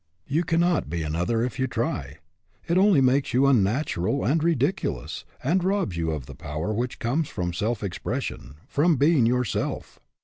You cannot be another if you try. It only makes you unnatural and ridiculous, and robs you of the power which comes from self expression, from being yourself.